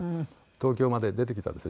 東京まで出てきたんですよ